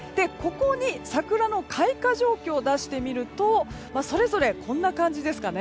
桜の開花状況を出してみるとそれぞれこんな感じです。